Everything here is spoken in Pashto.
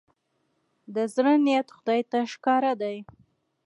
د زړه نيت خدای ته ښکاره دی.